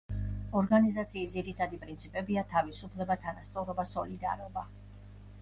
ორგანიზაციის ძირითადი პრინციპებია: თავისუფლება, თანასწორობა, სოლიდარობა.